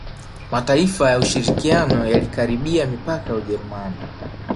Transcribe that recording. Mataifa ya ushirikiano yalikaribia mipaka ya Ujerumani